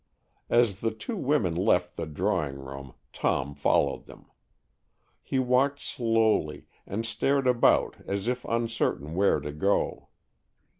As the two women left the drawing room Tom followed them. He walked slowly, and stared about as if uncertain where to go.